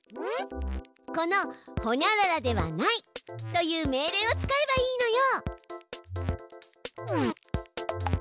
この「ホニャララではない」という命令を使えばいいのよ！